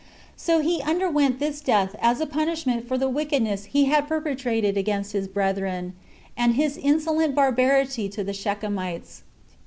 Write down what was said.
So he underwent this death as a punishment for the wickedness he had perpetrated against his brethren, and his insolent barbarity to the Shechemites.